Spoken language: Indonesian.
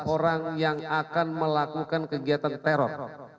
tiga belas orang yang akan melakukan kegiatan teror